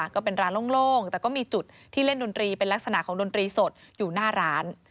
ของดนตรีสดอยู่หน้าร้าน